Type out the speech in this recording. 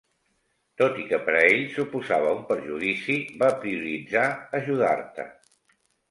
Tot i que per a ell suposava un perjudici, va prioritzar ajudar-te.